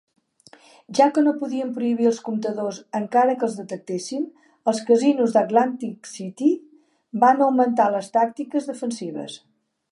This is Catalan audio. Ja que no podien prohibir els comptadors encara que els detectessin, els casinos d'Atlantic City van augmentar les tàctiques defensives.